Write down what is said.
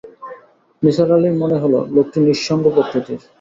নিসার আলির মনে হল, লোকটি নিঃসঙ্গ প্রকৃতির।